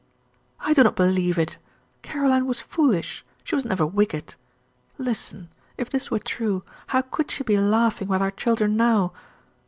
"I do not believe it. Caroline was foolish, she was never wicked. Listen! If this were true, how could she be laughing with our children now?